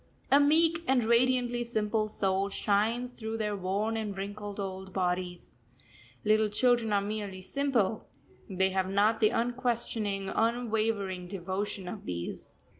A meek and radiantly simple soul shines through their worn and wrinkled, old bodies. Little children are merely simple, they have not the unquestioning, unwavering devotion of these.